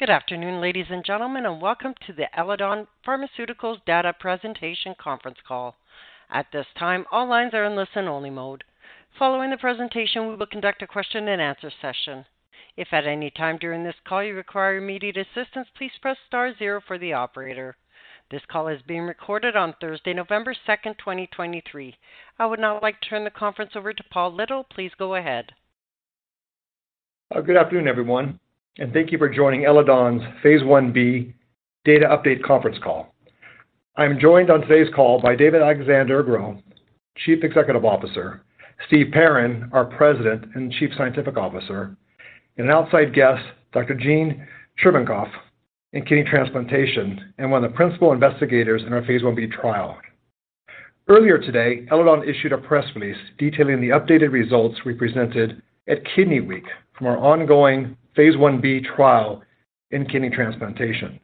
Good afternoon, ladies and gentlemen, and welcome to the Eledon Pharmaceuticals Data Presentation conference call. At this time, all lines are in listen-only mode. Following the presentation, we will conduct a question and answer session. If at any time during this call you require immediate assistance, please press star zero for the operator. This call is being recorded on Thursday, November 2, 2023. I would now like to turn the conference over to Paul Little. Please go ahead. Good afternoon, everyone, and thank you for joining Eledon's Phase 1b Data Update conference call. I'm joined on today's call by David-Alexandre Gros, Chief Executive Officer, Steve Perrin, our President and Chief Scientific Officer, and an outside guest, Dr. Jean Tchervenkov in kidney transplantation and one of the principal investigators in our Phase 1b trial. Earlier today, Eledon issued a press release detailing the updated results we presented at Kidney Week from our ongoing Phase 1b trial in kidney transplantation.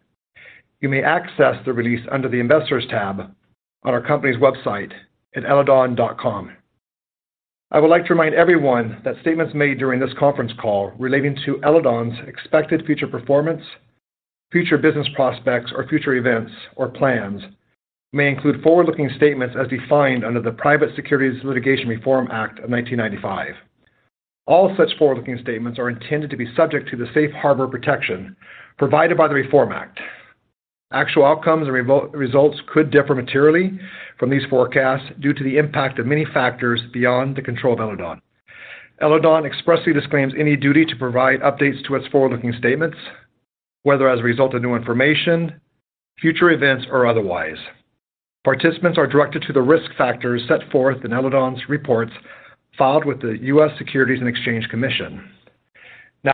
You may access the release under the Investors tab on our company's website at eledon.com. I would like to remind everyone that statements made during this conference call relating to Eledon's expected future performance, future business prospects or future events or plans, may include forward-looking statements as defined under the Private Securities Litigation Reform Act of 1995. All such forward-looking statements are intended to be subject to the safe harbor protection provided by the Reform Act. Actual outcomes and remote results could differ materially from these forecasts due to the impact of many factors beyond the control of Eledon. Eledon expressly disclaims any duty to provide updates to its forward-looking statements, whether as a result of new information, future events, or otherwise. Participants are directed to the risk factors set forth in Eledon's reports filed with the U.S. Securities and Exchange Commission.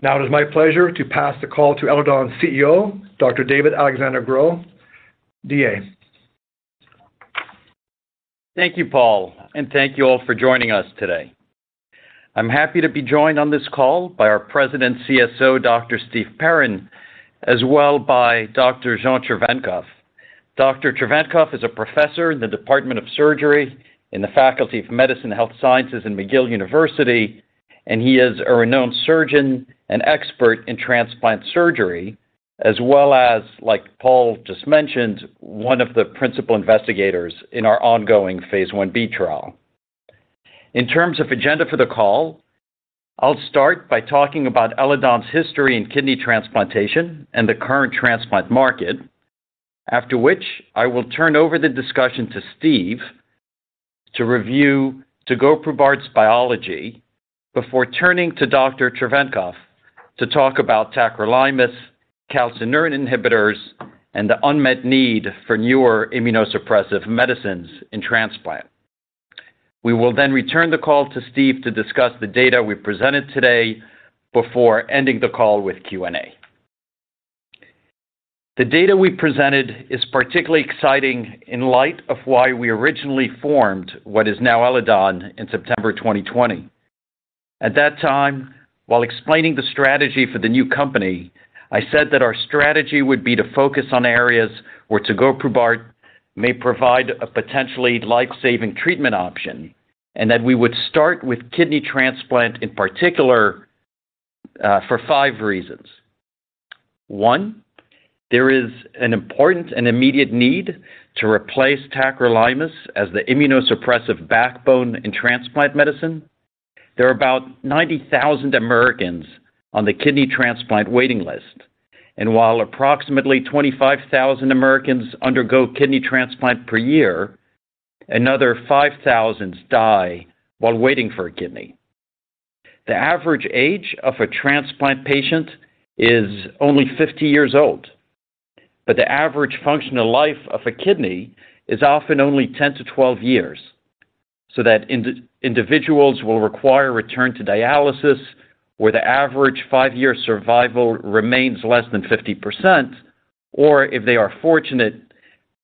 Now, it is my pleasure to pass the call to Eledon's CEO, Dr. David-Alexandre C. Gros. DA. Thank you, Paul, and thank you all for joining us today. I'm happy to be joined on this call by our President, CSO, Dr. Steve Perrin, as well by Dr. Jean Tchervenkov. Dr. Tchervenkov is a professor in the Department of Surgery in the Faculty of Medicine and Health Sciences in McGill University, and he is a renowned surgeon and expert in transplant surgery, as well as, like Paul just mentioned, one of the principal investigators in our ongoing Phase 1b trial. In terms of agenda for the call, I'll start by talking about Eledon's history in kidney transplantation and the current transplant market, after which I will turn over the discussion to Steve to review tegoprubart's biology before turning to Dr. Tchervenkov to talk about tacrolimus, calcineurin inhibitors, and the unmet need for newer immunosuppressive medicines in transplant. We will then return the call to Steve to discuss the data we presented today before ending the call with Q&A. The data we presented is particularly exciting in light of why we originally formed what is now Eledon in September 2020. At that time, while explaining the strategy for the new company, I said that our strategy would be to focus on areas where tegoprubart may provide a potentially life-saving treatment option, and that we would start with kidney transplant in particular, for five reasons. One, there is an important and immediate need to replace tacrolimus as the immunosuppressive backbone in transplant medicine. There are about 90,000 Americans on the kidney transplant waiting list, and while approximately 25,000 Americans undergo kidney transplant per year, another 5,000 die while waiting for a kidney. The average age of a transplant patient is only 50 years old, but the average functional life of a kidney is often only 10-12 years. So individuals will require return to dialysis, where the average five-year survival remains less than 50%, or if they are fortunate,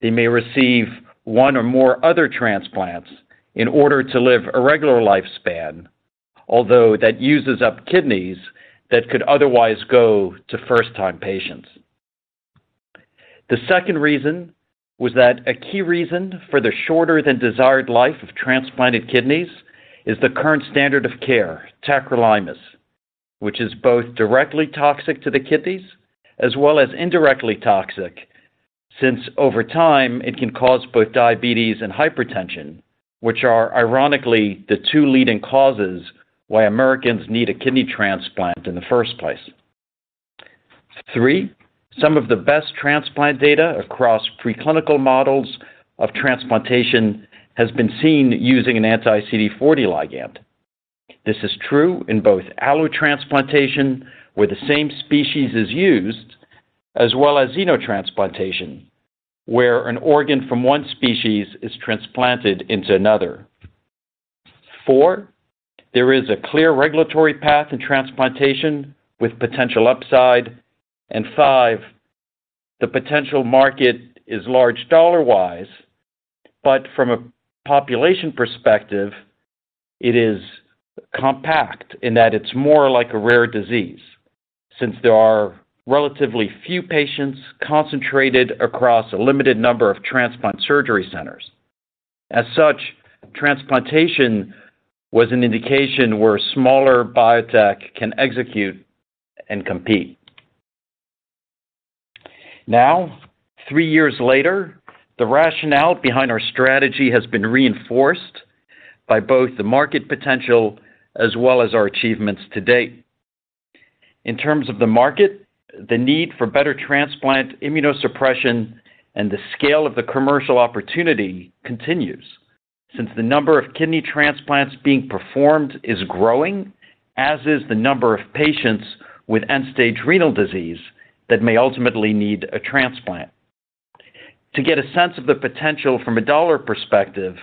they may receive one or more other transplants in order to live a regular lifespan, although that uses up kidneys that could otherwise go to first-time patients. The second reason was that a key reason for the shorter than desired life of transplanted kidneys is the current standard of care, tacrolimus, which is both directly toxic to the kidneys as well as indirectly toxic, since over time, it can cause both diabetes and hypertension, which are ironically, the two leading causes why Americans need a kidney transplant in the first place. Three, some of the best transplant data across preclinical models of transplantation has been seen using an anti-CD40 ligand. This is true in both allotransplantation, where the same species is used, as well as xenotransplantation, where an organ from one species is transplanted into another. Four, there is a clear regulatory path in transplantation with potential upside. Five, the potential market is large dollar-wise, but from a population perspective, it is compact in that it's more like a rare disease since there are relatively few patients concentrated across a limited number of transplant surgery centers.... As such, transplantation was an indication where a smaller biotech can execute and compete. Now, three years later, the rationale behind our strategy has been reinforced by both the market potential as well as our achievements to date. In terms of the market, the need for better transplant immunosuppression and the scale of the commercial opportunity continues, since the number of kidney transplants being performed is growing, as is the number of patients with end-stage renal disease that may ultimately need a transplant. To get a sense of the potential from a dollar perspective,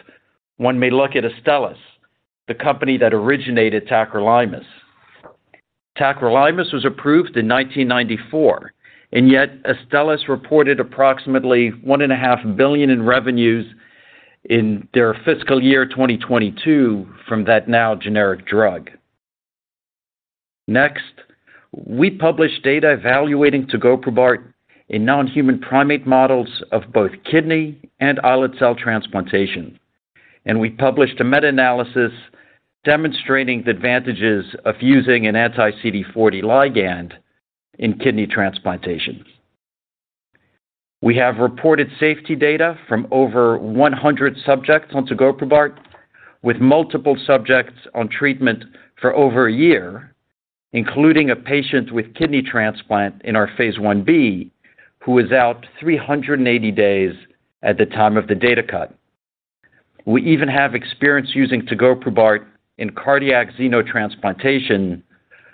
one may look at Astellas, the company that originated tacrolimus. Tacrolimus was approved in 1994, and yet Astellas reported approximately $1.5 billion in revenues in their fiscal year 2022 from that now generic drug. Next, we published data evaluating tegoprubart in non-human primate models of both kidney and islet cell transplantation, and we published a meta-analysis demonstrating the advantages of using an anti-CD40 ligand in kidney transplantation. We have reported safety data from over 100 subjects on tegoprubart, with multiple subjects on treatment for over a year, including a patient with kidney transplant in our Phase 1b, who was out 380 days at the time of the data cut. We even have experience using tegoprubart in cardiac xenotransplantation,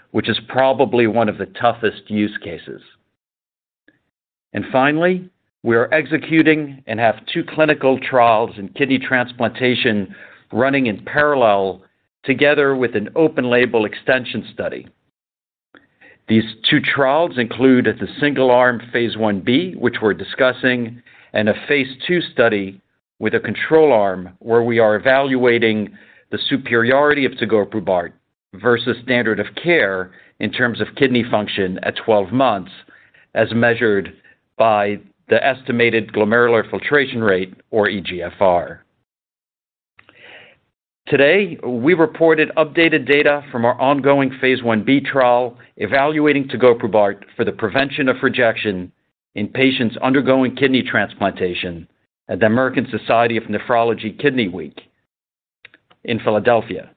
which is probably one of the toughest use cases. And finally, we are executing and have two clinical trials in kidney transplantation running in parallel, together with an open label extension study. These two trials include the single-arm Phase 1b, which we're discussing, and a Phase 2 study with a control arm, where we are evaluating the superiority of tegoprubart versus standard of care in terms of kidney function at 12 months, as measured by the estimated glomerular filtration rate, or eGFR. Today, we reported updated data from our ongoing Phase 1b trial evaluating tegoprubart for the prevention of rejection in patients undergoing kidney transplantation at the American Society of Nephrology Kidney Week in Philadelphia.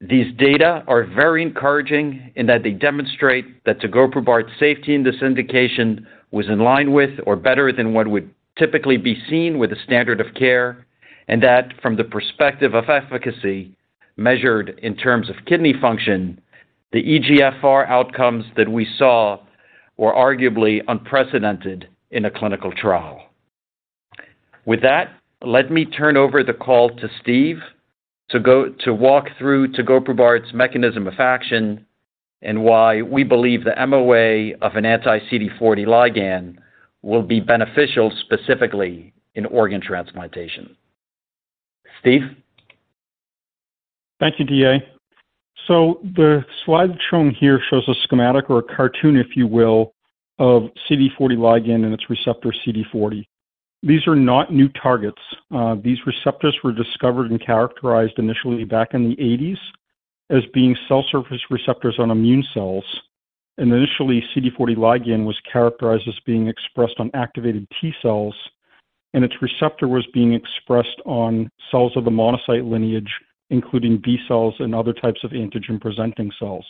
These data are very encouraging in that they demonstrate that tegoprubart's safety in this indication was in line with or better than what would typically be seen with the standard of care, and that from the perspective of efficacy, measured in terms of kidney function, the eGFR outcomes that we saw were arguably unprecedented in a clinical trial. With that, let me turn over the call to Steve to walk through tegoprubart's mechanism of action and why we believe the MOA of an anti-CD40 ligand will be beneficial specifically in organ transplantation. Steve? Thank you, DA. The slide shown here shows a schematic or a cartoon, if you will, of CD40 ligand and its receptor, CD40. These are not new targets. These receptors were discovered and characterized initially back in the eighties as being cell surface receptors on immune cells. Initially, CD40 ligand was characterized as being expressed on activated T cells, and its receptor was being expressed on cells of the monocyte lineage, including B cells and other types of antigen-presenting cells.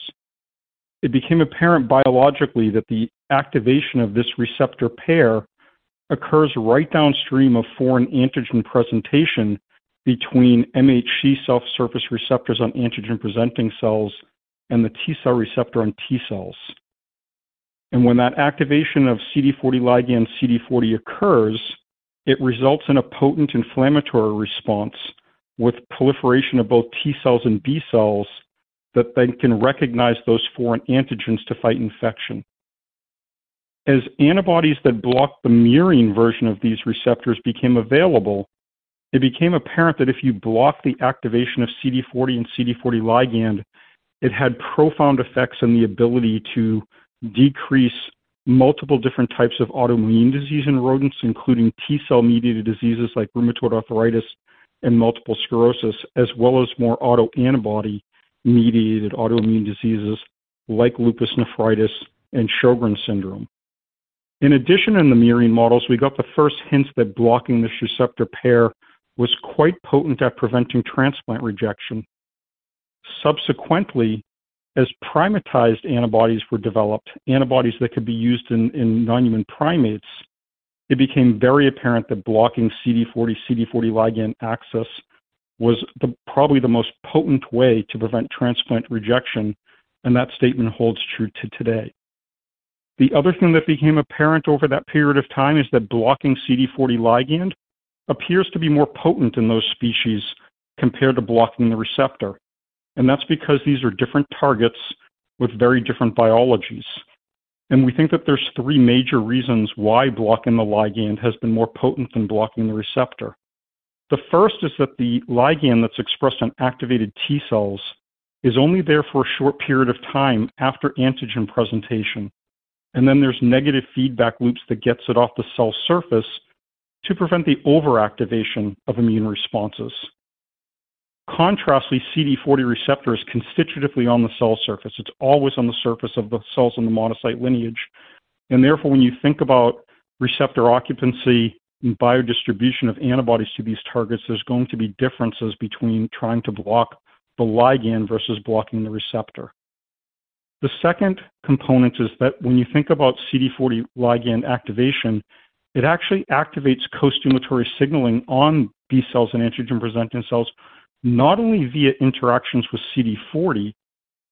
It became apparent biologically that the activation of this receptor pair occurs right downstream of foreign antigen presentation between MHC self surface receptors on antigen-presenting cells and the T cell receptor on T cells. When that activation of CD40 ligand CD40 occurs, it results in a potent inflammatory response with proliferation of both T cells and B cells that then can recognize those foreign antigens to fight infection. As antibodies that block the murine version of these receptors became available, it became apparent that if you block the activation of CD40 and CD40 ligand, it had profound effects on the ability to decrease multiple different types of autoimmune disease in rodents, including T-cell-mediated diseases like rheumatoid arthritis and multiple sclerosis, as well as more autoantibody-mediated autoimmune diseases like lupus nephritis and Sjögren's syndrome. In addition, in the murine models, we got the first hints that blocking this receptor pair was quite potent at preventing transplant rejection. Subsequently, as primatized antibodies were developed, antibodies that could be used in non-human primates, it became very apparent that blocking CD40, CD40 ligand access was the, probably the most potent way to prevent transplant rejection, and that statement holds true to today. The other thing that became apparent over that period of time is that blocking CD40 ligand appears to be more potent in those species compared to blocking the receptor. And that's because these are different targets with very different biologies. And we think that there's three major reasons why blocking the ligand has been more potent than blocking the receptor. The first is that the ligand that's expressed on activated T cells is only there for a short period of time after antigen presentation.... And then there's negative feedback loops that gets it off the cell surface to prevent the overactivation of immune responses. Contrastingly, CD40 receptor is constitutively on the cell surface. It's always on the surface of the cells in the monocyte lineage, and therefore, when you think about receptor occupancy and biodistribution of antibodies to these targets, there's going to be differences between trying to block the ligand versus blocking the receptor. The second component is that when you think about CD40 ligand activation, it actually activates costimulatory signaling on B cells and antigen-presenting cells, not only via interactions with CD40,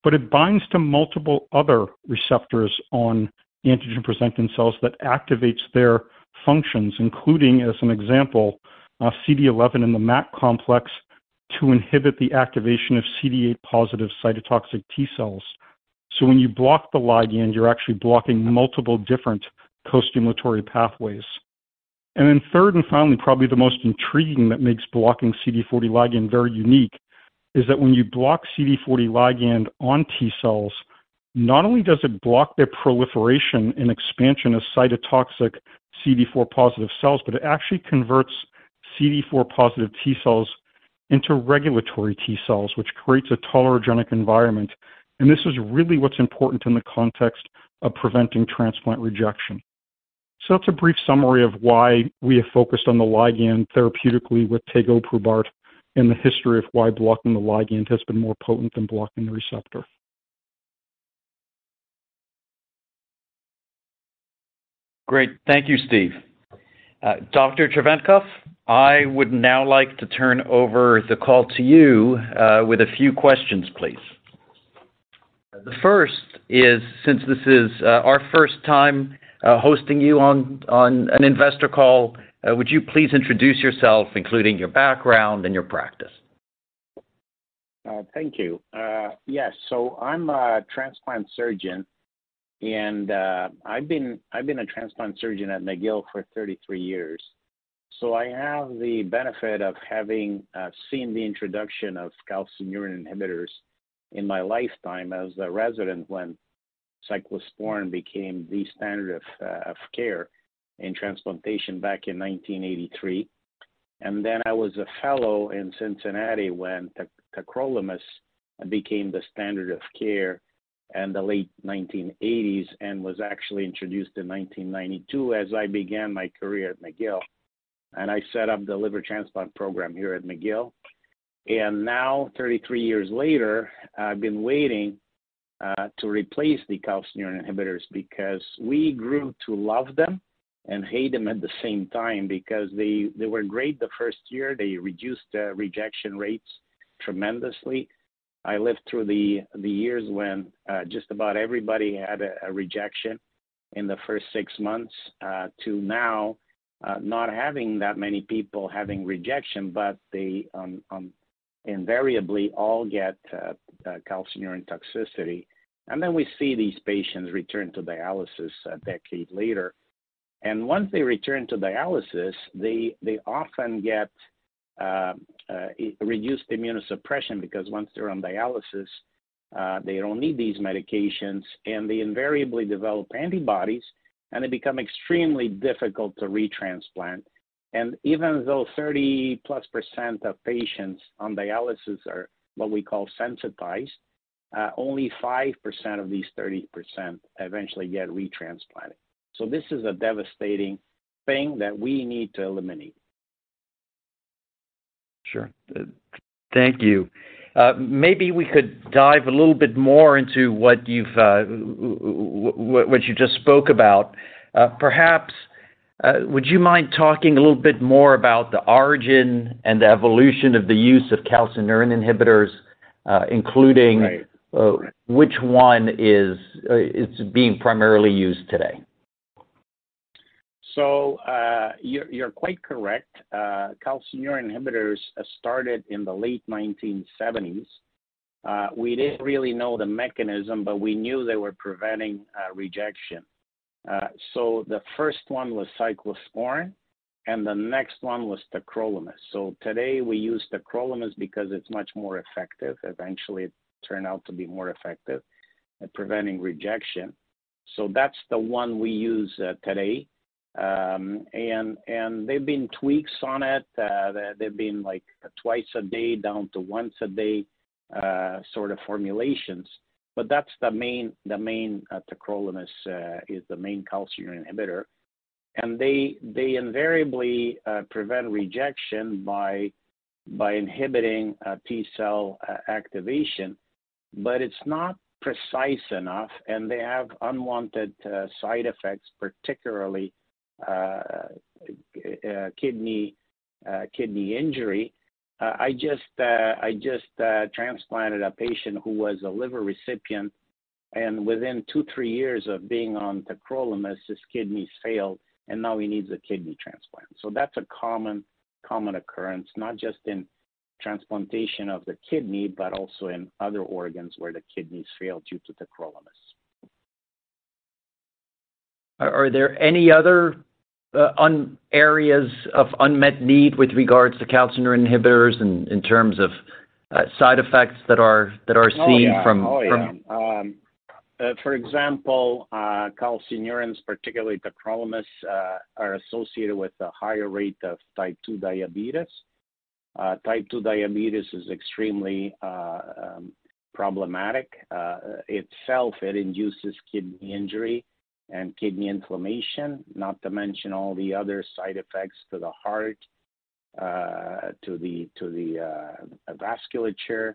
but it binds to multiple other receptors on antigen-presenting cells that activates their functions, including, as an example, CD11 and the MAC complex, to inhibit the activation of CD8 positive cytotoxic T cells. So when you block the ligand, you're actually blocking multiple different costimulatory pathways. And then third and finally, probably the most intriguing that makes blocking CD40 ligand very unique is that when you block CD40 ligand on T cells, not only does it block their proliferation and expansion of cytotoxic CD4 positive cells, but it actually converts CD4 positive T cells into regulatory T cells, which creates a tolerogenic environment. And this is really what's important in the context of preventing transplant rejection. So that's a brief summary of why we have focused on the ligand therapeutically with tegoprubart and the history of why blocking the ligand has been more potent than blocking the receptor. Great. Thank you, Steve. Dr. Tchervenkov, I would now like to turn over the call to you, with a few questions, please. The first is, since this is, our first time, hosting you on an investor call, would you please introduce yourself, including your background and your practice? Thank you. Yes. So I'm a transplant surgeon, and I've been a transplant surgeon at McGill for 33 years. So I have the benefit of having seen the introduction of calcineurin inhibitors in my lifetime as a resident, when cyclosporine became the standard of care in transplantation back in 1983. And then I was a fellow in Cincinnati when tacrolimus became the standard of care in the late 1980s and was actually introduced in 1992 as I began my career at McGill. And I set up the liver transplant program here at McGill. And now, 33 years later, I've been waiting to replace the calcineurin inhibitors because we grew to love them and hate them at the same time because they were great the first year. They reduced rejection rates tremendously. I lived through the years when just about everybody had a rejection in the first six months to now not having that many people having rejection, but they invariably all get calcineurin toxicity. And then we see these patients return to dialysis a decade later. And once they return to dialysis, they often get reduced immunosuppression, because once they're on dialysis they don't need these medications, and they invariably develop antibodies, and they become extremely difficult to retransplant. And even though 30%+ of patients on dialysis are what we call sensitized, only 5% of these 30% eventually get retransplanted. So this is a devastating thing that we need to eliminate. Sure. Thank you. Maybe we could dive a little bit more into what you just spoke about. Perhaps, would you mind talking a little bit more about the origin and the evolution of the use of calcineurin inhibitors, including- Right. - which one is, is being primarily used today? So, you're quite correct. Calcineurin inhibitors started in the late 1970s. We didn't really know the mechanism, but we knew they were preventing rejection. So the first one was cyclosporine, and the next one was tacrolimus. So today we use tacrolimus because it's much more effective. Eventually, it turned out to be more effective at preventing rejection. So that's the one we use today. And there've been tweaks on it. There've been, like, twice a day down to once a day sort of formulations. But that's the main tacrolimus is the main calcineurin inhibitor. And they invariably prevent rejection by inhibiting T-cell activation, but it's not precise enough, and they have unwanted side effects, particularly kidney injury. I just transplanted a patient who was a liver recipient, and within two to three years of being on tacrolimus, his kidneys failed, and now he needs a kidney transplant. So that's a common, common occurrence, not just in transplantation of the kidney, but also in other organs where the kidneys fail due to tacrolimus.... Are there any other areas of unmet need with regards to calcineurin inhibitors in terms of side effects that are seen from? Oh, yeah. Oh, yeah. For example, calcineurin inhibitors, particularly tacrolimus, are associated with a higher rate of type two diabetes. Type two diabetes is extremely problematic. Itself, it induces kidney injury and kidney inflammation, not to mention all the other side effects to the heart, to the vasculature,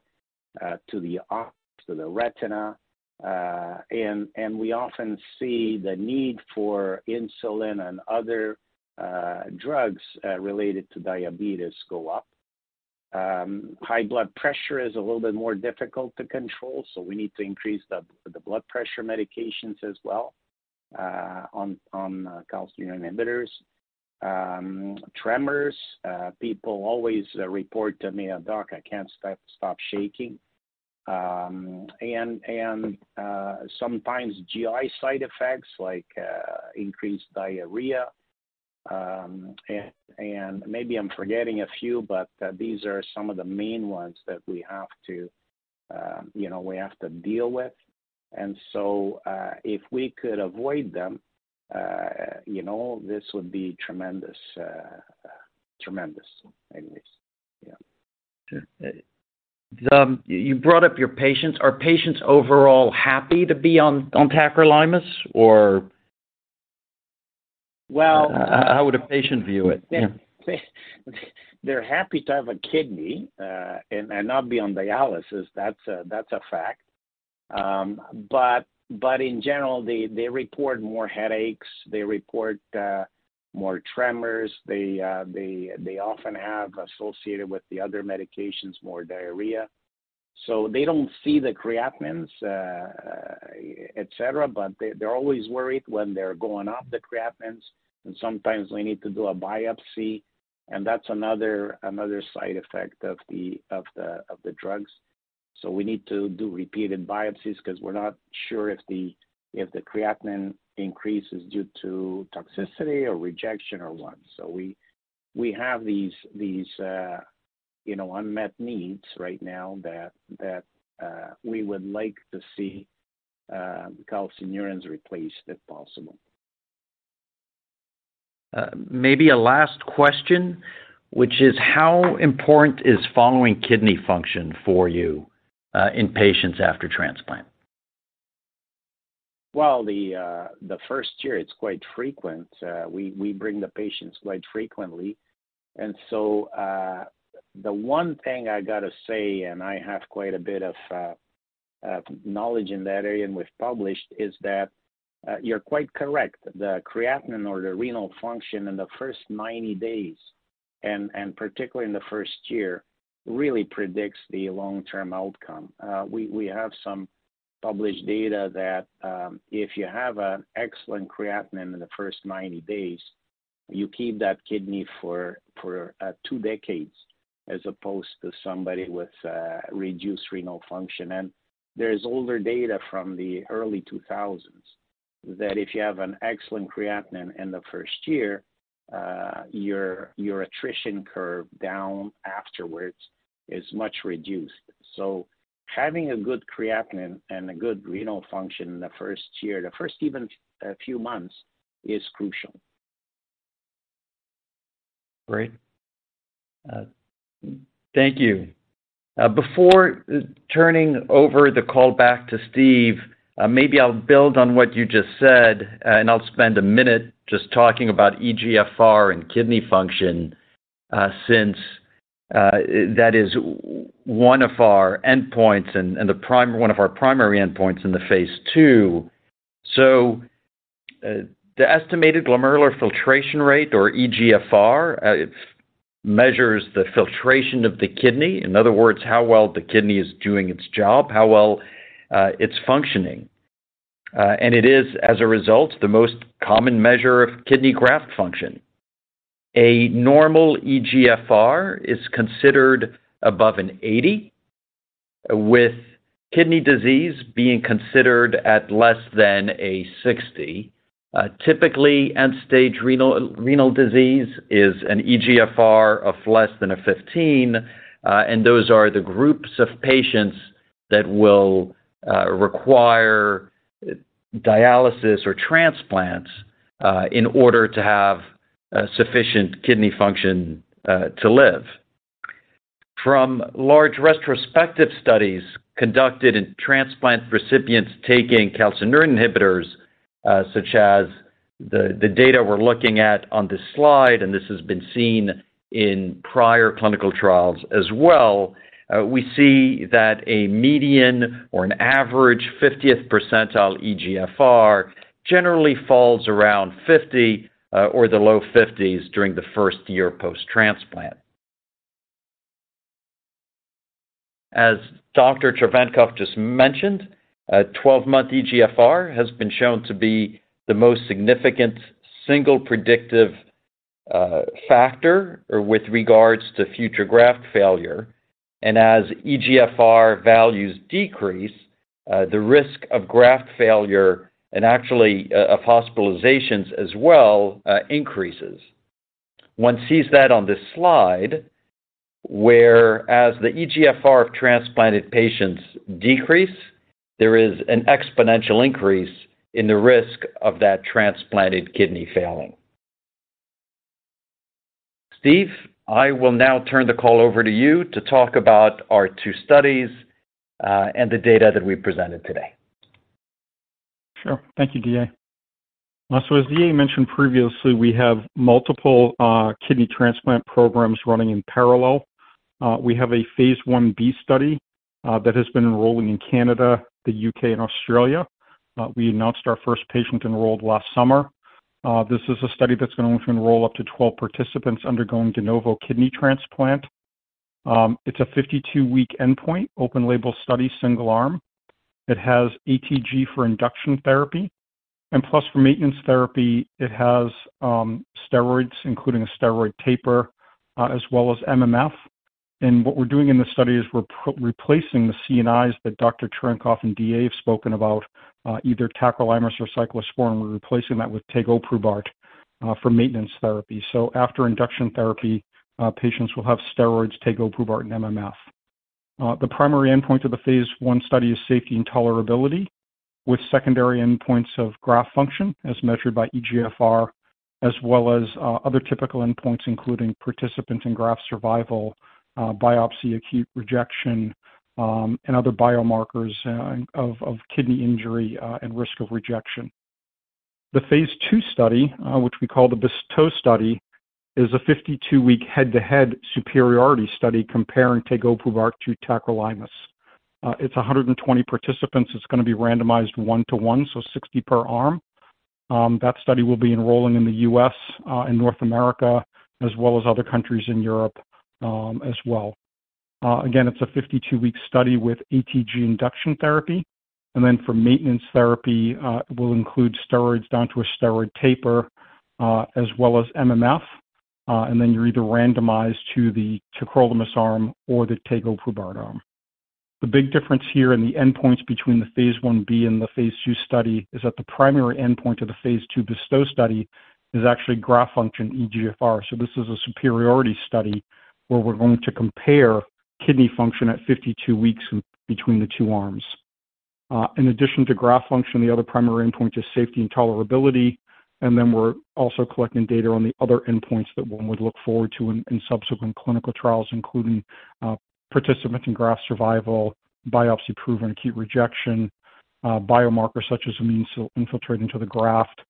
to the eyes, to the retina. And we often see the need for insulin and other drugs related to diabetes go up. High blood pressure is a little bit more difficult to control, so we need to increase the blood pressure medications as well on calcineurin inhibitors. Tremors, people always report to me, "Doc, I can't stop shaking." And sometimes GI side effects like increased diarrhea. Maybe I'm forgetting a few, but these are some of the main ones that we have to, you know, we have to deal with. So, if we could avoid them, you know, this would be tremendous, tremendous anyways. Yeah. Sure. You brought up your patients. Are patients overall happy to be on, on tacrolimus or? Well- How would a patient view it? Yeah. They're happy to have a kidney, and not be on dialysis. That's a fact. But in general, they report more headaches, they report more tremors. They often have, associated with the other medications, more diarrhea. So they don't see the creatinines, et cetera, but they're always worried when they're going up, the creatinines, and sometimes we need to do a biopsy, and that's another side effect of the drugs. So we need to do repeated biopsies 'cause we're not sure if the creatinine increase is due to toxicity or rejection or what. So we have these, you know, unmet needs right now that we would like to see calcineurins replaced, if possible. Maybe a last question, which is: How important is following kidney function for you, in patients after transplant? Well, the first year, it's quite frequent. We bring the patients quite frequently. And so, the one thing I gotta say, and I have quite a bit of knowledge in that area and we've published, is that you're quite correct. The creatinine or the renal function in the first 90 days and particularly in the first year really predicts the long-term outcome. We have some published data that if you have an excellent creatinine in the first 90 days, you keep that kidney for two decades, as opposed to somebody with reduced renal function. And there's older data from the early 2000s that if you have an excellent creatinine in the first year, your attrition curve down afterwards is much reduced. Having a good creatinine and a good renal function in the first year, the first few months, is crucial. Great. Thank you. Before turning over the call back to Steve, maybe I'll build on what you just said, and I'll spend a minute just talking about eGFR and kidney function, since that is one of our endpoints and one of our primary endpoints in the Phase 2. So, the estimated glomerular filtration rate, or eGFR, it measures the filtration of the kidney, in other words, how well the kidney is doing its job, how well it's functioning. And it is, as a result, the most common measure of kidney graft function. A normal eGFR is considered above 80, with kidney disease being considered at less than 60. Typically, end-stage renal disease is an eGFR of less than 15, and those are the groups of patients that will require dialysis or transplants, in order to have sufficient kidney function to live. From large retrospective studies conducted in transplant recipients taking calcineurin inhibitors, such as the data we're looking at on this slide, and this has been seen in prior clinical trials as well, we see that a median or an average 50th percentile eGFR generally falls around 50 or the low 50s during the first year post-transplant. As Dr. Tchervenkov just mentioned, a 12-month eGFR has been shown to be the most significant single predictive factor or with regards to future graft failure. And as eGFR values decrease, the risk of graft failure and actually of hospitalizations as well increases. One sees that on this slide, whereas the eGFR of transplanted patients decrease, there is an exponential increase in the risk of that transplanted kidney failing. Steve, I will now turn the call over to you to talk about our two studies, and the data that we presented today. Sure. Thank you, DA. So as DA mentioned previously, we have multiple kidney transplant programs running in parallel. We have a Phase 1b study that has been enrolling in Canada, the UK, and Australia. We announced our first patient enrolled last summer. This is a study that's going to enroll up to 12 participants undergoing de novo kidney transplant. It's a 52-week endpoint, open-label study, single arm. It has ATG for induction therapy, and plus for maintenance therapy, it has steroids, including a steroid taper, as well as MMF. And what we're doing in this study is we're replacing the CNIs that Dr. Tchervenkov and DA have spoken about, either tacrolimus or cyclosporine. We're replacing that with tegoprubart for maintenance therapy. So after induction therapy, patients will have steroids, tegoprubart, and MMF. The primary endpoint of the Phase 1 study is safety and tolerability, with secondary endpoints of graft function as measured by eGFR, as well as other typical endpoints, including participant and graft survival, biopsy, acute rejection, and other biomarkers of kidney injury and risk of rejection. The Phase 2 study, which we call the BESTOW study, is a 52-week head-to-head superiority study comparing tegoprubart to tacrolimus. It's 120 participants. It's going to be randomized one to one, so 60 per arm. That study will be enrolling in the U.S., in North America, as well as other countries in Europe, as well. Again, it's a 52-week study with ATG induction therapy, and then for maintenance therapy, will include steroids down to a steroid taper, as well as MMF. And then you're either randomized to the tacrolimus arm or the tegoprubart arm. The big difference here in the endpoints between the Phase 1b and the Phase 2 study is that the primary endpoint of the Phase 2 BESTOW study is actually graft function, eGFR. So this is a superiority study where we're going to compare kidney function at 52 weeks between the two arms. In addition to graft function, the other primary endpoint is safety and tolerability. And then we're also collecting data on the other endpoints that one would look forward to in subsequent clinical trials, including participant and graft survival, biopsy-proven acute rejection, biomarkers such as immune infiltrating to the graft,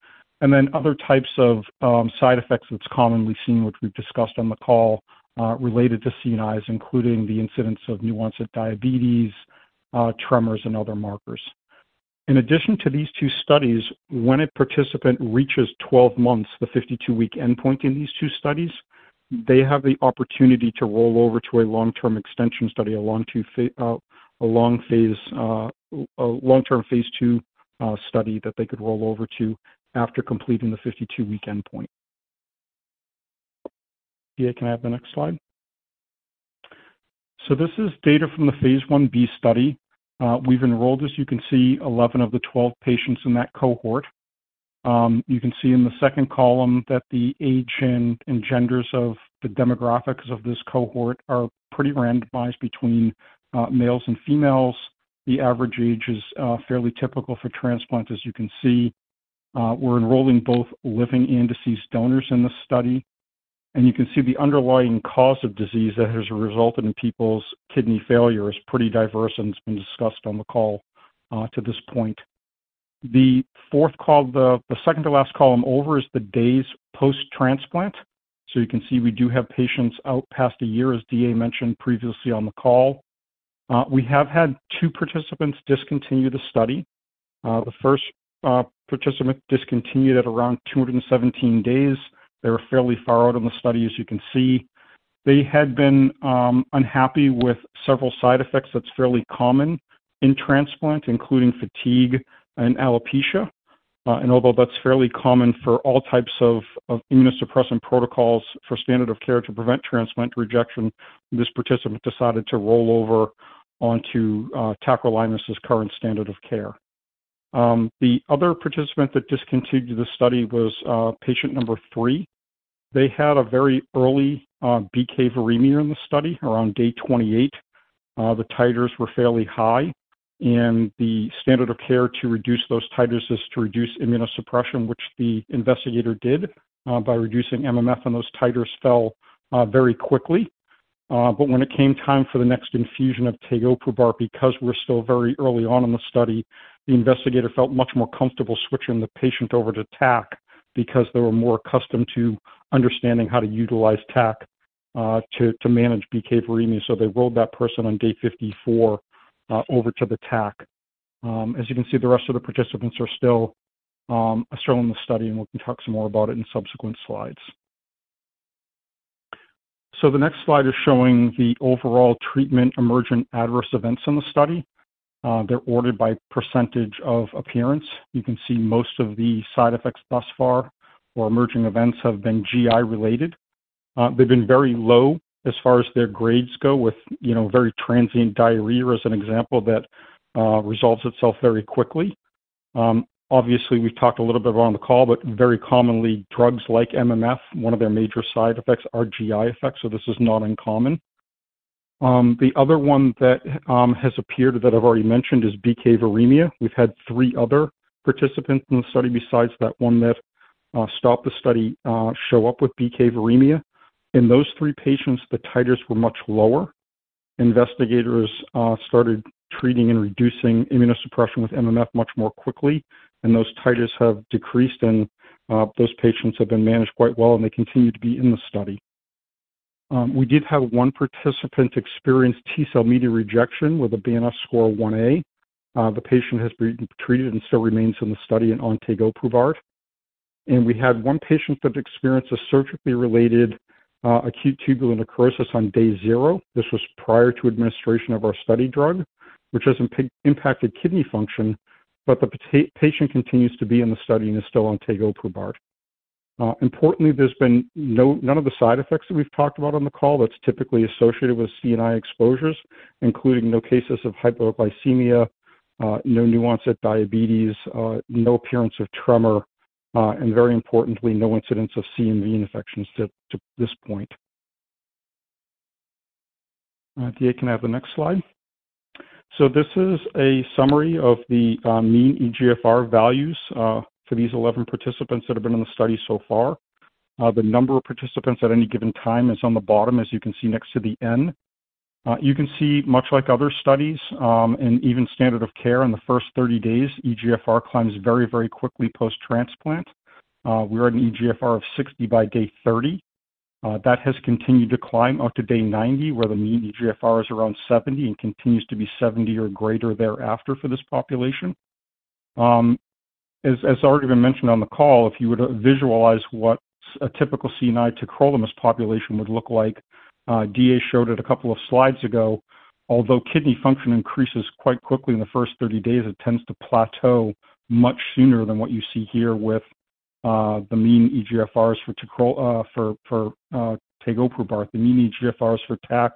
and then other types of side effects that's commonly seen, which we've discussed on the call, related to CNIs, including the incidence of new onset of diabetes, tremors, and other markers. In addition to these two studies, when a participant reaches 12 months, the 52-week endpoint in these two studies, they have the opportunity to roll over to a long-term extension study, a long phase, a long-term phase two study that they could roll over to after completing the 52-week endpoint. DA, can I have the next slide? So this is data from the Phase 1b study. We've enrolled, as you can see, 11 of the 12 patients in that cohort. You can see in the second column that the age and genders of the demographics of this cohort are pretty randomized between males and females. The average age is fairly typical for transplant, as you can see. We're enrolling both living and deceased donors in this study, and you can see the underlying cause of disease that has resulted in people's kidney failure is pretty diverse, and it's been discussed on the call to this point. The fourth column, the second to last column over, is the days post-transplant. So you can see we do have patients out past a year, as DA mentioned previously on the call. We have had two participants discontinue the study. The first participant discontinued at around 217 days. They were fairly far out on the study, as you can see. They had been unhappy with several side effects that's fairly common in transplant, including fatigue and alopecia. And although that's fairly common for all types of immunosuppressant protocols for standard of care to prevent transplant rejection, this participant decided to roll over onto tacrolimus' current standard of care. The other participant that discontinued the study was patient number three. They had a very early BK viremia in the study around day 28. The titers were fairly high, and the standard of care to reduce those titers is to reduce immunosuppression, which the investigator did by reducing MMF, and those titers fell very quickly. But when it came time for the next infusion of tegoprubart, because we're still very early on in the study, the investigator felt much more comfortable switching the patient over to TAC because they were more accustomed to understanding how to utilize TAC to manage BK viremia. So they rolled that person on day 54 over to the TAC. As you can see, the rest of the participants are still in the study, and we can talk some more about it in subsequent slides. So the next slide is showing the overall treatment emergent adverse events in the study. They're ordered by percentage of appearance. You can see most of the side effects thus far or emerging events have been GI related. They've been very low as far as their grades go, with, you know, very transient diarrhea as an example, that resolves itself very quickly. Obviously, we've talked a little bit on the call, but very commonly, drugs like MMF, one of their major side effects are GI effects, so this is not uncommon. The other one that has appeared that I've already mentioned is BK viremia. We've had three other participants in the study, besides that one, that stopped the study, show up with BK viremia. In those three patients, the titers were much lower. Investigators started treating and reducing immunosuppression with MMF much more quickly, and those titers have decreased, and those patients have been managed quite well, and they continue to be in the study. We did have one participant experience T-cell-mediated rejection with a Banff score 1A. The patient has been treated and still remains in the study and on tegoprubart. We had one patient that experienced a surgically related acute tubular necrosis on day zero. This was prior to administration of our study drug, which hasn't impacted kidney function, but the patient continues to be in the study and is still on tegoprubart. Importantly, there's been none of the side effects that we've talked about on the call that's typically associated with CNI exposures, including no cases of hypoglycemia, no new-onset diabetes, no appearance of tremor, and very importantly, no incidents of CMV infections to this point. DA, can I have the next slide? So this is a summary of the mean eGFR values for these 11 participants that have been in the study so far. The number of participants at any given time is on the bottom, as you can see, next to the N. You can see, much like other studies, and even standard of care in the first 30 days, eGFR climbs very, very quickly post-transplant. We're at an eGFR of 60 by day 30. That has continued to climb out to day 90, where the mean eGFR is around 70 and continues to be 70 or greater thereafter for this population. As already been mentioned on the call, if you were to visualize what a typical CNI tacrolimus population would look like, DA showed it a couple of slides ago. Although kidney function increases quite quickly in the first 30 days, it tends to plateau much sooner than what you see here with the mean eGFRs for tacrolimus for tegoprubart. The mean eGFRs for TAC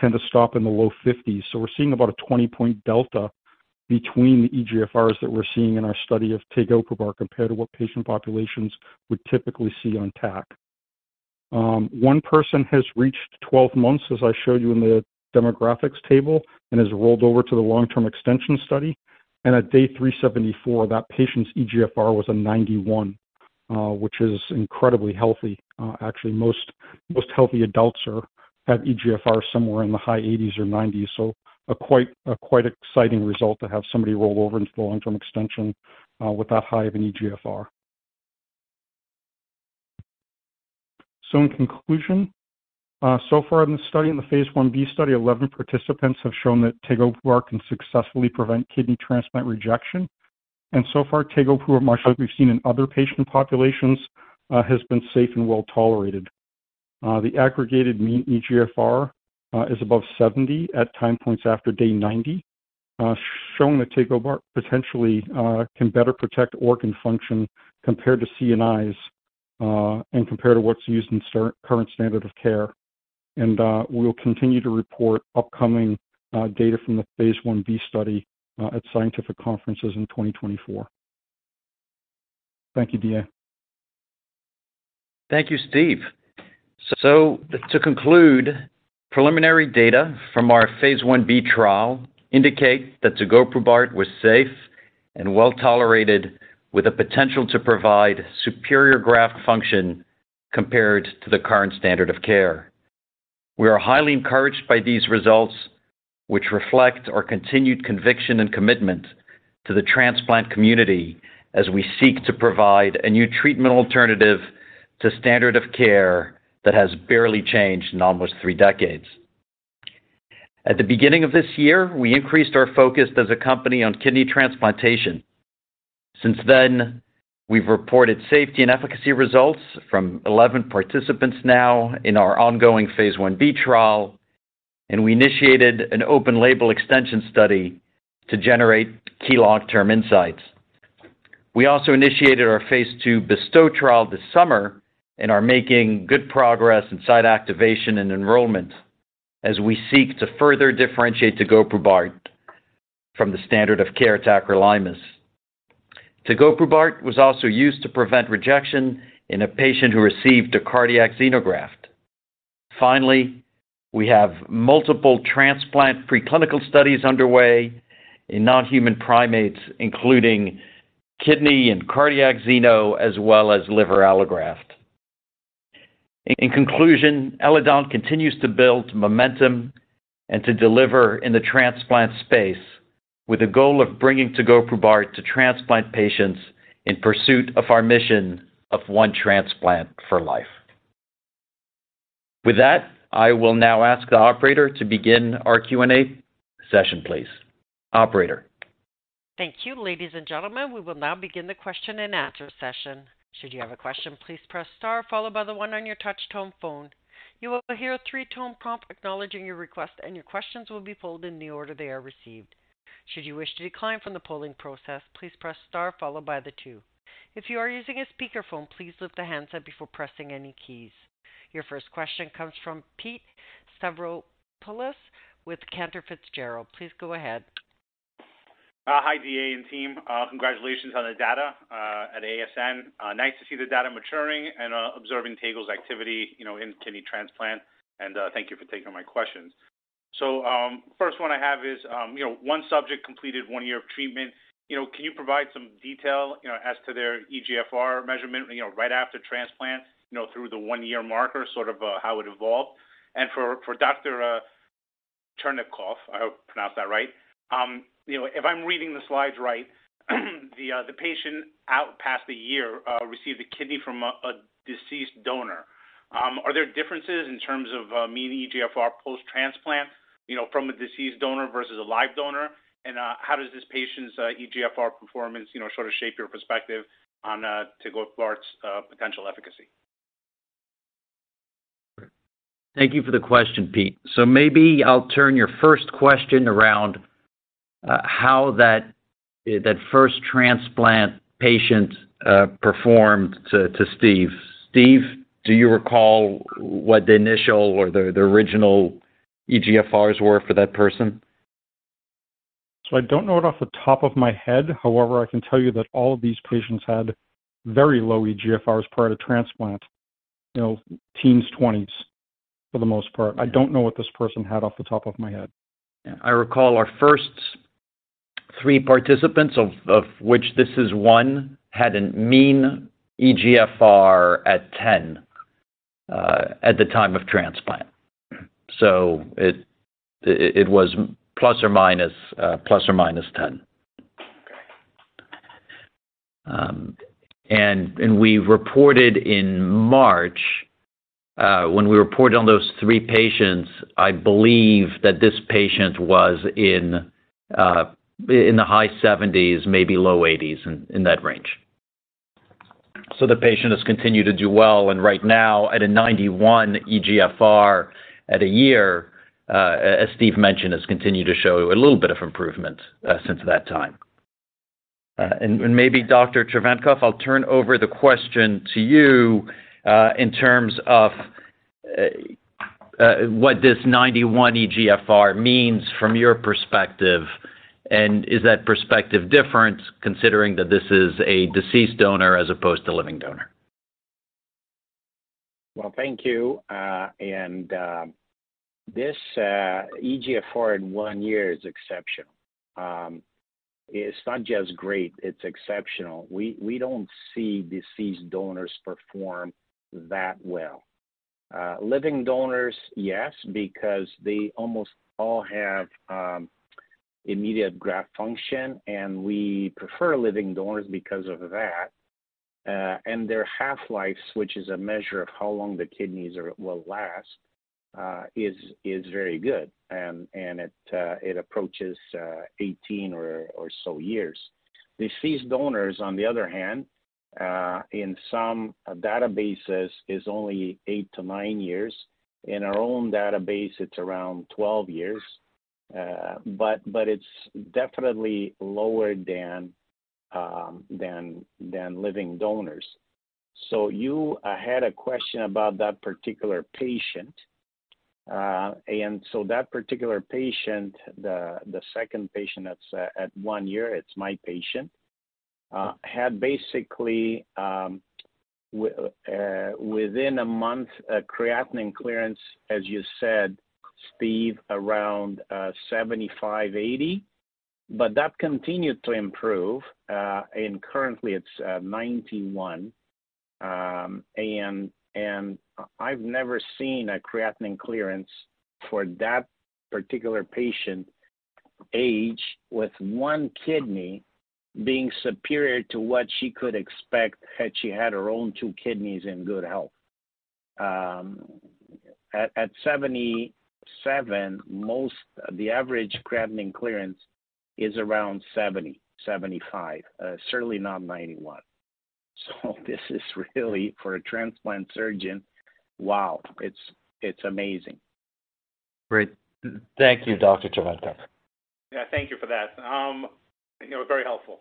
tend to stop in the low 50s, so we're seeing about a 20-point delta between the eGFRs that we're seeing in our study of tegoprubart compared to what patient populations would typically see on TAC. One person has reached 12 months, as I showed you in the demographics table, and has rolled over to the long-term extension study. And at day 374, that patient's eGFR was a 91, which is incredibly healthy. Actually, most healthy adults have eGFR somewhere in the high 80s or 90s. So a quite exciting result to have somebody roll over into the long-term extension with that high of an eGFR. So in conclusion, so far in the study, in the Phase 1b study, 11 participants have shown that tegoprubart can successfully prevent kidney transplant rejection. And so far, tegoprubart, much like we've seen in other patient populations, has been safe and well tolerated. The aggregated mean eGFR is above 70 at time points after day 90, showing that tegoprubart potentially can better protect organ function compared to CNIs and compared to what's used in current standard of care. And we'll continue to report upcoming data from the Phase 1b study at scientific conferences in 2024. Thank you, DA. Thank you, Steve. To conclude, preliminary data from our Phase 1b trial indicate that tegoprubart was safe and well-tolerated, with the potential to provide superior graft function compared to the current standard of care. We are highly encouraged by these results, which reflect our continued conviction and commitment to the transplant community as we seek to provide a new treatment alternative to standard of care that has barely changed in almost three decades. At the beginning of this year, we increased our focus as a company on kidney transplantation. Since then, we've reported safety and efficacy results from 11 participants now in our ongoing Phase 1b trial, and we initiated an open-label extension study to generate key long-term insights. We also initiated our Phase 2 BESTOW trial this summer and are making good progress in site activation and enrollment as we seek to further differentiate tegoprubart from the standard of care tacrolimus. tegoprubart was also used to prevent rejection in a patient who received a cardiac xenograft. Finally, we have multiple transplant preclinical studies underway in non-human primates, including kidney and cardiac xeno, as well as liver allograft. In conclusion, Eledon continues to build momentum and to deliver in the transplant space with the goal of bringing tegoprubart to transplant patients in pursuit of our mission of One Transplant for Life. With that, I will now ask the operator to begin our Q&A session, please. Operator? Thank you. Ladies and gentlemen, we will now begin the question and answer session. Should you have a question, please press star followed by one on your touch-tone phone. You will hear a three-tone prompt acknowledging your request, and your questions will be pulled in the order they are received. Should you wish to decline from the polling process, please press star followed by two. If you are using a speakerphone, please lift the handset before pressing any keys. Your first question comes from Pete Stavropoulos with Cantor Fitzgerald. Please go ahead. Hi, DA and team. Congratulations on the data at ASN. Nice to see the data maturing and observing tegoprubart's activity, you know, in kidney transplant. And thank you for taking my questions. So, first one I have is, you know, one subject completed one year of treatment. You know, can you provide some detail, you know, as to their eGFR measurement, you know, right after transplant, you know, through the one-year marker, sort of how it evolved? And for Dr. Tchervenkov, I hope I pronounced that right, you know, if I'm reading the slides right, the patient out past the year received a kidney from a deceased donor. Are there differences in terms of mean eGFR post-transplant, you know, from a deceased donor versus a live donor? How does this patient's eGFR performance, you know, sort of shape your perspective on tegoprubart's potential efficacy? Thank you for the question, Pete. So maybe I'll turn your first question around, how that first transplant patient performed to Steve. Steve, do you recall what the initial or the original eGFRs were for that person? So I don't know it off the top of my head. However, I can tell you that all of these patients had very low eGFRs prior to transplant, you know, teens, twenties, for the most part. I don't know what this person had off the top of my head. Yeah. I recall our first three participants, of which this is one, had a mean eGFR at 10 at the time of transplant. So it was ±10. Okay. And we reported in March, when we reported on those three patients, I believe that this patient was in the high 70s, maybe low 80s, in that range. So the patient has continued to do well, and right now, at a 91 eGFR at a year, as Steve mentioned, has continued to show a little bit of improvement since that time. And maybe Dr. Tchervenkov, I'll turn over the question to you, in terms of what this 91 eGFR means from your perspective, and is that perspective different, considering that this is a deceased donor as opposed to a living donor? Well, thank you. This eGFR in one year is exceptional. It's not just great; it's exceptional. We don't see deceased donors perform that well. Living donors, yes, because they almost all have immediate graft function, and we prefer living donors because of that. Their half-lives, which is a measure of how long the kidneys are, will last, is very good, and it approaches 18 or so years. Deceased donors, on the other hand, in some databases, is only eight to nine years. In our own database, it's around 12 years, but it's definitely lower than living donors. So you had a question about that particular patient. And so that particular patient, the second patient that's at one year, it's my patient, had basically within a month creatinine clearance, as you said, Steve, around 75, 80, but that continued to improve, and currently it's 91. And I've never seen a creatinine clearance for that particular patient age, with one kidney being superior to what she could expect had she had her own two kidneys in good health. At 77, most... The average creatinine clearance is around 70, 75, certainly not 91. So this is really, for a transplant surgeon, wow, it's amazing. Great. Thank you, Dr. Tchervenkov. Yeah, thank you for that. You know, very helpful.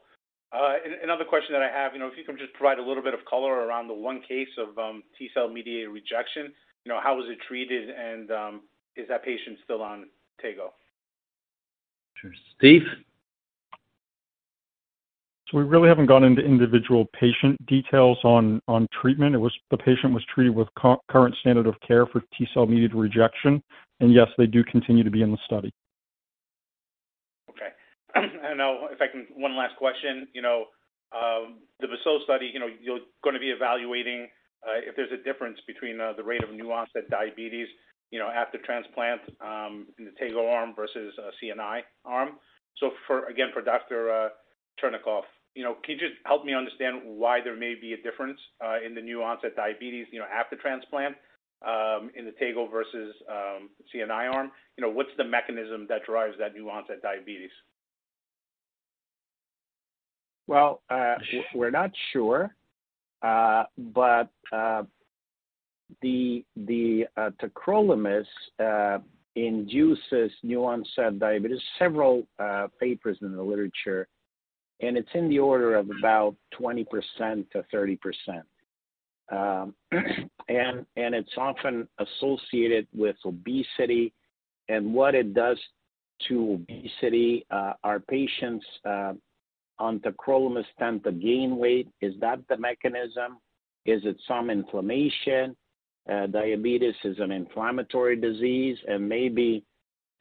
Another question that I have, you know, if you can just provide a little bit of color around the one case of T-cell-mediated rejection. You know, how was it treated, and is that patient still on tegoprubart? Sure. Steve? So we really haven't gone into individual patient details on treatment. It was, the patient was treated with current standard of care for T-cell-mediated rejection, and yes, they do continue to be in the study. Okay. And if I can, one last question. You know, the BESTOW study, you know, you're gonna be evaluating if there's a difference between the rate of new-onset diabetes, you know, after transplant, in the Tego arm versus CNI arm. So for, again, for Dr. Tchervenkov, you know, can you just help me understand why there may be a difference in the new-onset diabetes, you know, after transplant, in the Tego versus CNI arm? You know, what's the mechanism that drives that new-onset diabetes? ... Well, we're not sure. But the tacrolimus induces new onset diabetes, several papers in the literature, and it's in the order of about 20%-30%. And it's often associated with obesity. And what it does to obesity, our patients on tacrolimus tend to gain weight. Is that the mechanism? Is it some inflammation? Diabetes is an inflammatory disease, and maybe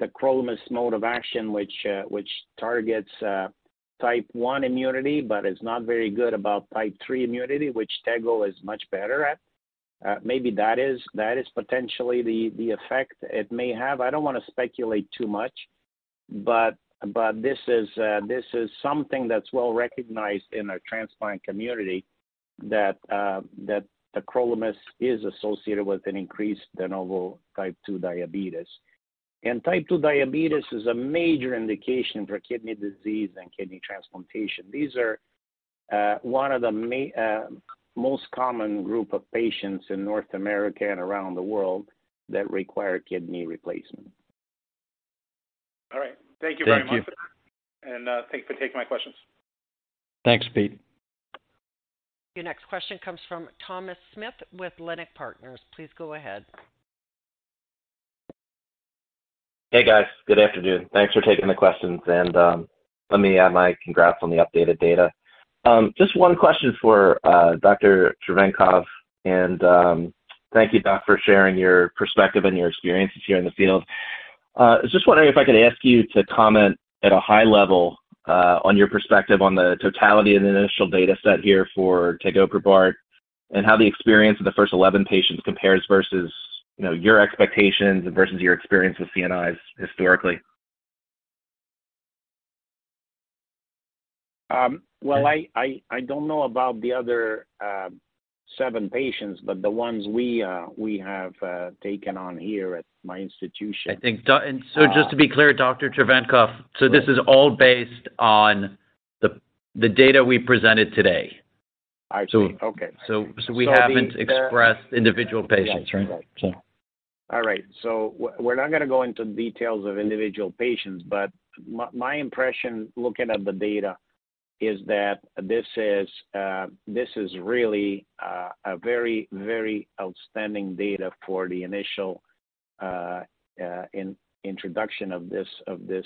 tacrolimus' mode of action, which targets type one immunity, but is not very good about type three immunity, which Tego is much better at. Maybe that is potentially the effect it may have. I don't want to speculate too much, but this is something that's well recognized in our transplant community, that that tacrolimus is associated with an increased de novo type two diabetes. And type two diabetes is a major indication for kidney disease and kidney transplantation. These are one of the most common group of patients in North America and around the world that require kidney replacement. All right. Thank you very much. Thank you. Thanks for taking my questions. Thanks, Pete. Your next question comes from Thomas Smith with Leerink Partners. Please go ahead. Hey, guys. Good afternoon. Thanks for taking the questions, and let me add my congrats on the updated data. Just one question for Dr. Tchervenkov, and thank you, Doc, for sharing your perspective and your experiences here in the field. I was just wondering if I could ask you to comment at a high level on your perspective on the totality of the initial data set here for tegoprubart, and how the experience of the first 11 patients compares versus, you know, your expectations and versus your experience with CNIs historically., I don't know about the other seven patients, but the ones we have taken on here at my institution- I think, so just to be clear, Dr. Tchervenkov, so this is all based on the data we presented today. I see. Okay. So we haven't expressed individual patients, right? Yeah. All right. So we're not going to go into details of individual patients, but my impression looking at the data is that this is really a very, very outstanding data for the initial introduction of this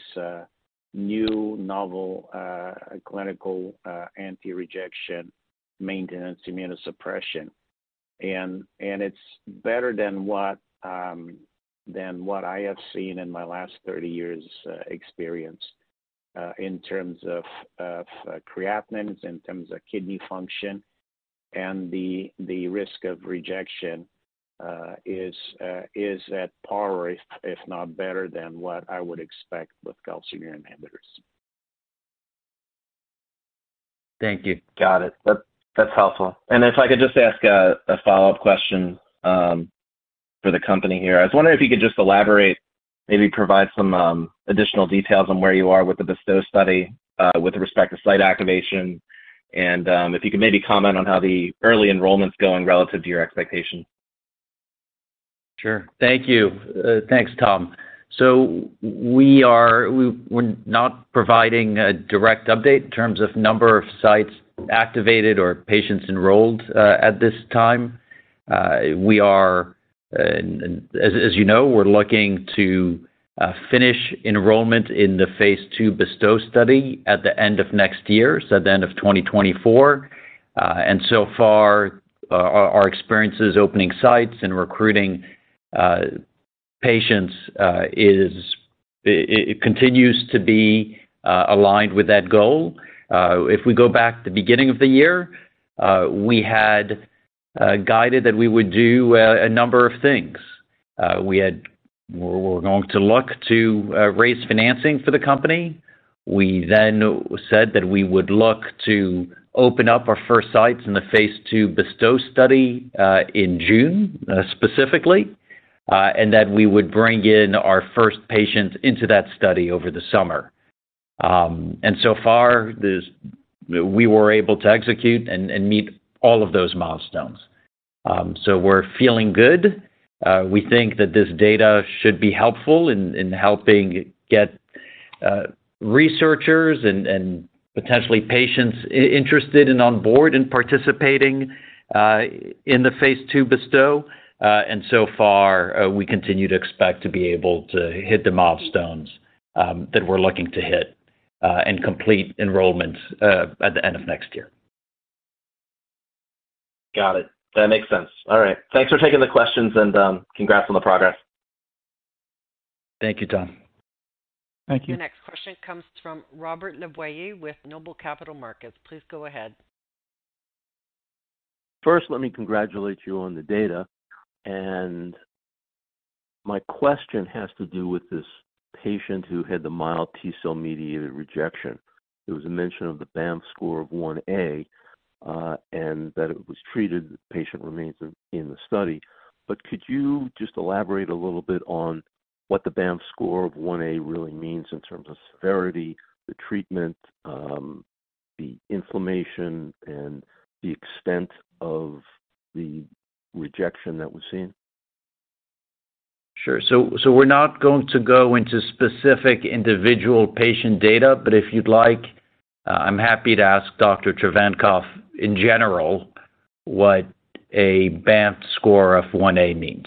new novel clinical anti-rejection maintenance immunosuppression. And it's better than what I have seen in my last 30 years experience in terms of creatinine, in terms of kidney function, and the risk of rejection is at par, if not better, than what I would expect with calcineurin inhibitors. Thank you. Got it. That's, that's helpful. And if I could just ask a follow-up question for the company here. I was wondering if you could just elaborate, maybe provide some additional details on where you are with the BESTOW study with respect to site activation, and if you could maybe comment on how the early enrollment's going relative to your expectations. Sure. Thank you. Thanks, Tom. So we're not providing a direct update in terms of number of sites activated or patients enrolled at this time. We are, as you know, we're looking to finish enrollment in the Phase 2 BESTOW study at the end of next year, so at the end of 2024. And so far, our experiences opening sites and recruiting patients is, it continues to be aligned with that goal. If we go back to the beginning of the year, we had guided that we would do a number of things. We were going to look to raise financing for the company. We then said that we would look to open up our first sites in the Phase 2 BESTOW study in June specifically and that we would bring in our first patients into that study over the summer. And so far we were able to execute and meet all of those milestones. So we're feeling good. We think that this data should be helpful in helping get researchers and potentially patients interested and on board in participating in the Phase 2 BESTOW. And so far we continue to expect to be able to hit the milestones that we're looking to hit and complete enrollment at the end of next year. Got it. That makes sense. All right. Thanks for taking the questions, and congrats on the progress. Thank you, Tom. Thank you. The next question comes from Robert LeBoyer with Noble Capital Markets. Please go ahead. First, let me congratulate you on the data, and my question has to do with this patient who had the mild T-cell-mediated rejection. There was a mention of the Banff score of 1A, and that it was treated, the patient remains in the study. But could you just elaborate a little bit on-... what the Banff score of 1A really means in terms of severity, the treatment, the inflammation, and the extent of the rejection that was seen? Sure. So we're not going to go into specific individual patient data, but if you'd like, I'm happy to ask Dr. Tchervenkov in general what a Banff score of 1A means.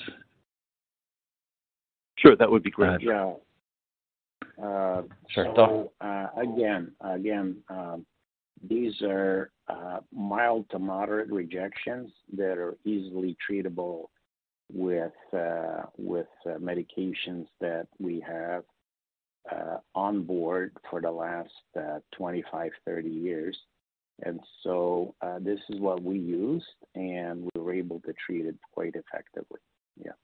Sure, that would be great. Yeah. Sure, Doc. So, again, these are mild to moderate rejections that are easily treatable with medications that we have on board for the last 25, 30 years. And so, this is what we use, and we were able to treat it quite effectively. Yeah.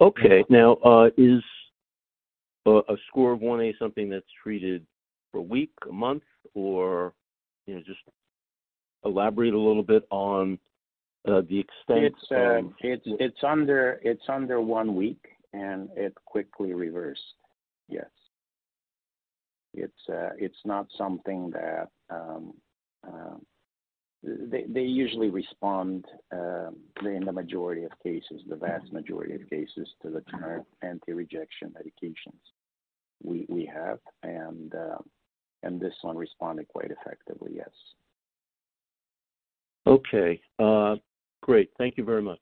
Okay. Now, is a score of 1A something that's treated for a week, a month, or, you know, just elaborate a little bit on the extent? It's under one week, and it quickly reversed. Yes. It's not something that... They usually respond in the majority of cases, the vast majority of cases, to the current anti-rejection medications we have, and this one responded quite effectively, yes. Okay, great. Thank you very much.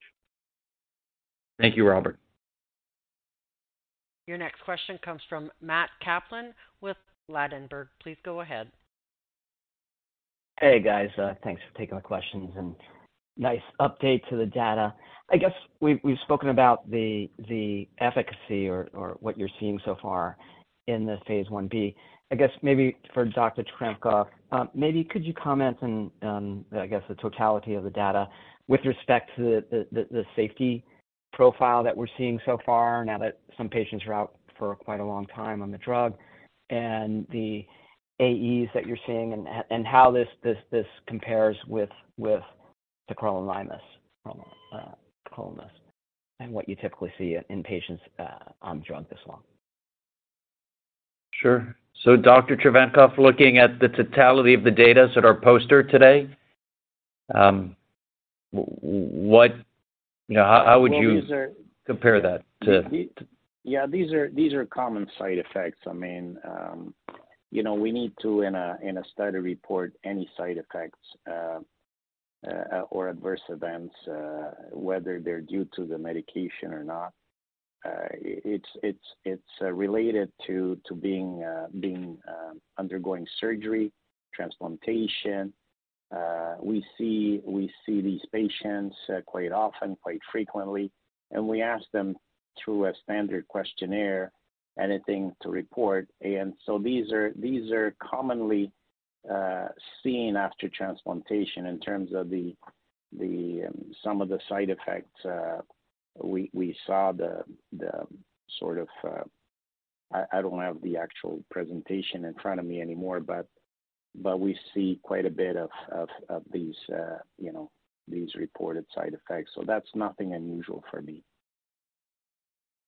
Thank you, Robert. Your next question comes from Matt Kaplan with Ladenburg. Please go ahead. Hey, guys. Thanks for taking my questions and nice update to the data. I guess we've spoken about the efficacy or what you're seeing so far in this Phase 1b. I guess maybe for Dr. Tchervenkov, maybe could you comment on, I guess, the totality of the data with respect to the safety profile that we're seeing so far now that some patients are out for quite a long time on the drug and the AEs that you're seeing and how this compares with tacrolimus, and what you typically see in patients on the drug this long? Sure. So Dr. Tchervenkov, looking at the totality of the data that are posted today, you know, how would you- Well, these are- compare that to Yeah, these are common side effects. I mean, you know, we need to, in a study, report any side effects, or adverse events, whether they're due to the medication or not. It's related to being undergoing surgery, transplantation. We see these patients quite often, quite frequently, and we ask them through a standard questionnaire, anything to report. And so these are commonly seen after transplantation in terms of the some of the side effects, we saw the sort of. I don't have the actual presentation in front of me anymore, but we see quite a bit of these, you know, these reported side effects. So that's nothing unusual for me.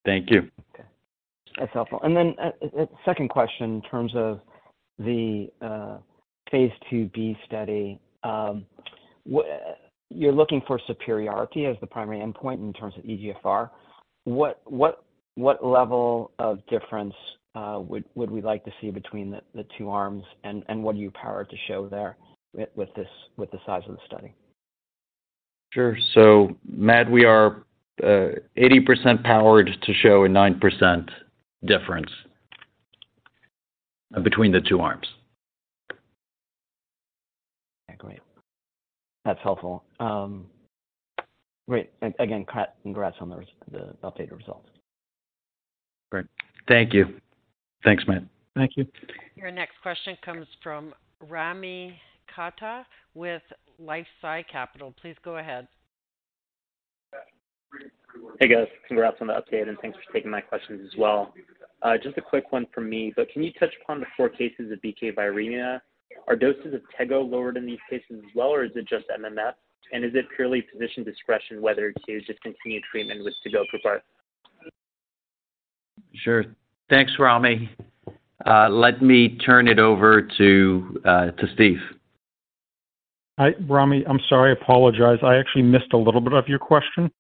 Thank you. Okay. That's helpful. And then, second question, in terms of the Phase 2b study, what you're looking for superiority as the primary endpoint in terms of eGFR. What level of difference would we like to see between the two arms? And what are you powered to show there with this, with the size of the study? Sure. So, Matt, we are 80% powered to show a 9% difference between the two arms. Okay, great. That's helpful. Great. Again, congrats on the updated results. Great. Thank you. Thanks, Matt. Thank you. Your next question comes from Rami Katkhuda with LifeSci Capital. Please go ahead. Hey, guys. Congrats on the update, and thanks for taking my questions as well. Just a quick one from me, but can you touch upon the four cases of BK viremia? Are doses of tegoprubart lowered in these cases as well, or is it just MMF? And is it purely physician discretion whether to discontinue treatment with tegoprubart? Sure. Thanks, Rami. Let me turn it over to Steve. Hi, Rami. I'm sorry, I apologize. I actually missed a little bit of your question.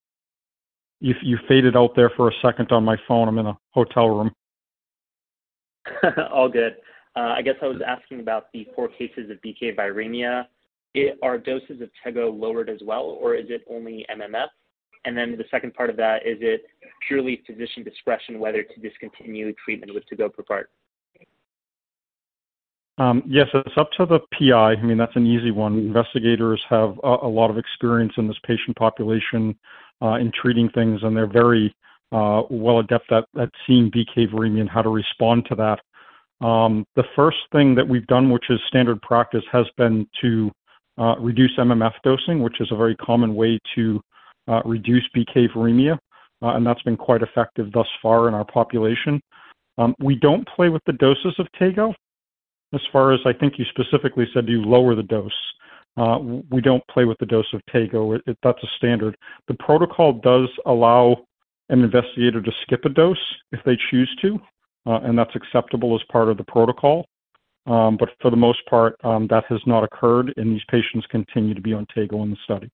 You faded out there for a second on my phone. I'm in a hotel room. All good. I guess I was asking about the four cases of BK viremia. Are doses of tegoprubart lowered as well, or is it only MMF? And then the second part of that, is it purely physician discretion whether to discontinue treatment with tegoprubart? Yes, it's up to the PI. I mean, that's an easy one. Investigators have a lot of experience in this patient population in treating things, and they're very well adept at seeing BK viremia and how to respond to that. The first thing that we've done, which is standard practice, has been to reduce MMF dosing, which is a very common way to reduce BK viremia, and that's been quite effective thus far in our population. We don't play with the doses of Tego. As far as I think you specifically said, do you lower the dose? We don't play with the dose of Tego. That's a standard. The protocol does allow an investigator to skip a dose if they choose to, and that's acceptable as part of the protocol. But for the most part, that has not occurred, and these patients continue to be on tegoprubart in the study.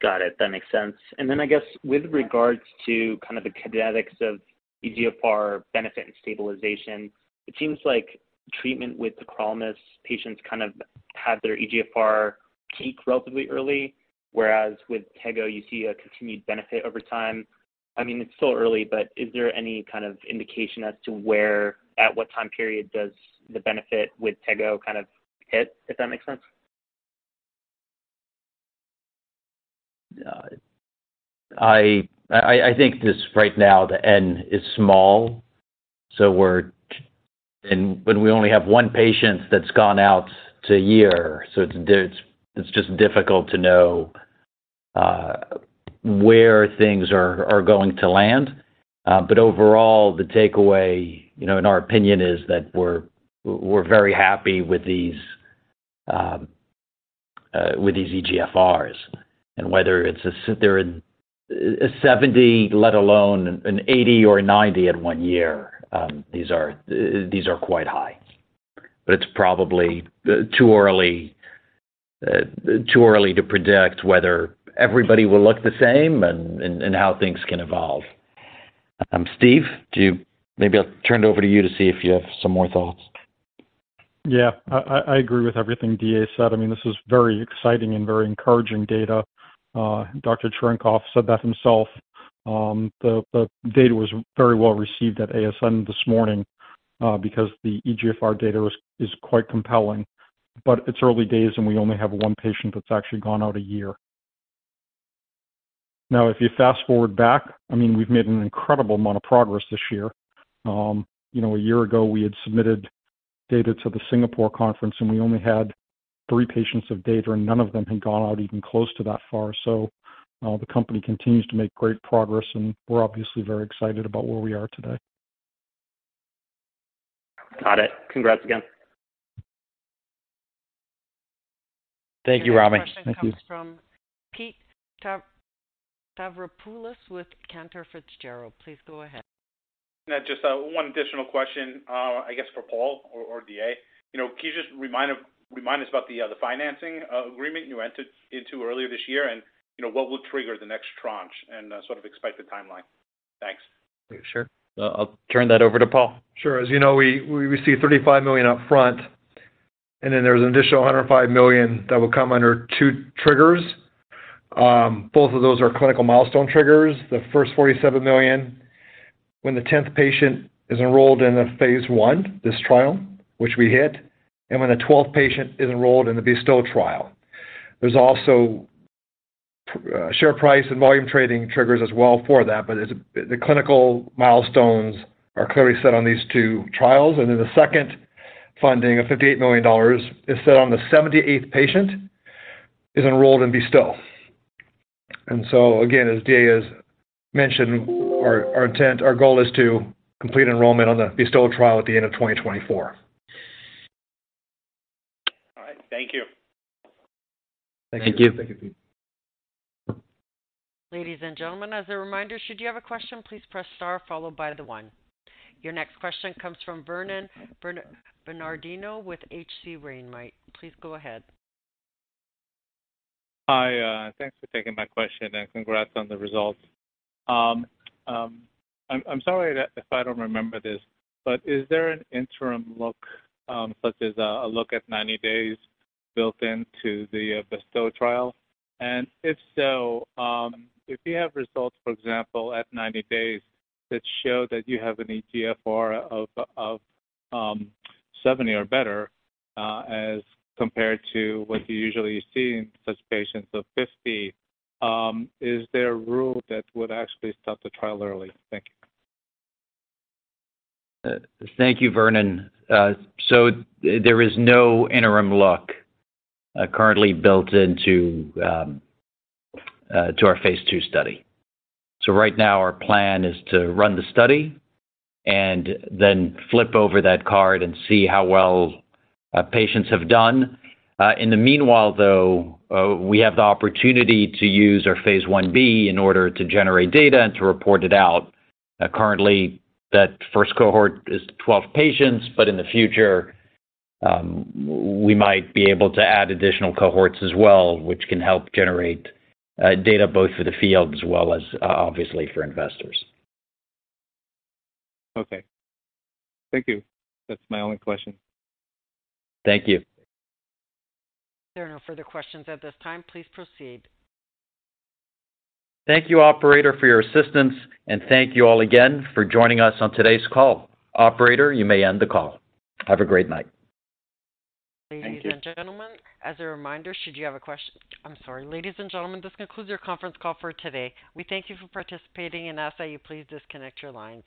Got it. That makes sense. And then I guess with regards to kind of the kinetics of eGFR benefit and stabilization, it seems like treatment with tacrolimus, patients kind of have their eGFR peak relatively early, whereas with Tego, you see a continued benefit over time. I mean, it's still early, but is there any kind of indication as to where, at what time period does the benefit with Tego kind of hit, if that makes sense? I think right now, the N is small, so we're, and when we only have one patient that's gone out to a year, so it's just difficult to know where things are going to land. But overall, the takeaway, you know, in our opinion, is that we're very happy with these eGFRs, and whether it's, they're a 70, let alone an 80 or a 90 in one year, these are quite high. But it's probably too early to predict whether everybody will look the same and how things can evolve. Steve, do you, maybe I'll turn it over to you to see if you have some more thoughts. Yeah. I agree with everything D.A. said. I mean, this is very exciting and very encouraging data. Dr. Tchervenkov said that himself. The data was very well received at ASN this morning, because the eGFR data was, is quite compelling. But it's early days, and we only have one patient that's actually gone out a year. Now, if you fast-forward back, I mean, we've made an incredible amount of progress this year. You know, a year ago, we had submitted data to the Singapore conference, and we only had three patients of data, and none of them had gone out even close to that far. So, the company continues to make great progress, and we're obviously very excited about where we are today. Got it. Congrats again. Thank you, Rami. Thank you. The next question comes from Pete Stavropoulos with Cantor Fitzgerald. Please go ahead. Yeah, just, one additional question, I guess for Paul or, or D.A. You know, can you just remind us, remind us about the, the financing, agreement you entered into earlier this year, and, you know, what would trigger the next tranche and, sort of expected timeline? Thanks. Sure. I'll turn that over to Paul. Sure. As you know, we received $35 million upfront, and then there was an additional $105 million that will come under two triggers. Both of those are clinical milestone triggers. The first $47 million when the 10th patient is enrolled in a Phase 1, this trial, which we hit, and when the 12th patient is enrolled in the BESTOW trial. There's also share price and volume trading triggers as well for that, but it's, the clinical milestones are clearly set on these two trials, and then the second funding of $58 million is set on the 78th patient is enrolled in BESTOW. And so again, as D.A. has mentioned, our intent, our goal is to complete enrollment on the BESTOW trial at the end of 2024. All right. Thank you. Thank you. Thank you. Ladies and gentlemen, as a reminder, should you have a question, please press star followed by the one. Your next question comes from Vernon Bernardino with H.C. Wainwright. Please go ahead. Hi, thanks for taking my question, and congrats on the results. I'm sorry that if I don't remember this, but is there an interim look, such as a look at 90 days built into the BESTOW trial? And if so, if you have results, for example, at 90 days, that show that you have an eGFR of 70 or better, as compared to what you usually see in such patients of 50, is there a rule that would actually stop the trial early? Thank you. Thank you, Vernon. There is no interim look, currently built into our Phase 2 study. Right now, our plan is to run the study and then flip over that card and see how well patients have done. In the meanwhile, though, we have the opportunity to use our Phase 1b in order to generate data and to report it out. Currently, that first cohort is 12 patients, but in the future, we might be able to add additional cohorts as well, which can help generate data both for the field as well as, obviously, for investors. Okay. Thank you. That's my only question. Thank you. There are no further questions at this time. Please proceed. Thank you, operator, for your assistance, and thank you all again for joining us on today's call. Operator, you may end the call. Have a great night. Thank you. Ladies and gentlemen, as a reminder, should you have a question... I'm sorry. Ladies and gentlemen, this concludes your conference call for today. We thank you for participating and ask that you please disconnect your lines.